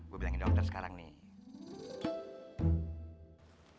gue bilangin dokter sekarang nih